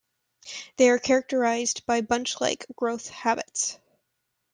They are characterized by bunch-like growth habits.